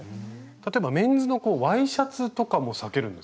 例えばメンズのワイシャツとかも裂けるんですか？